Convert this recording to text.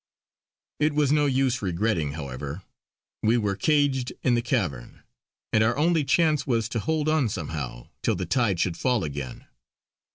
It was no use regretting, however. We were caged in the cavern; and our only chance was to hold on somehow, till the tide should fall again.